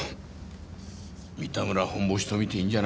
三田村ホンボシとみていいんじゃないんでしょうかね。